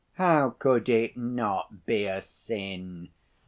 "How could it not be a sin?